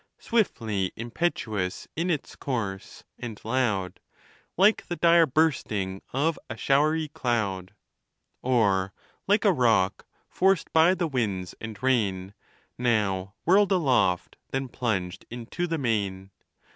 Swifily impetuous in its course, and loud, Like the dire bursting of a show'ry cloud ; Or, like a rock, forced by the winds and rain, Now whirl'd aloft, then plunged into the main.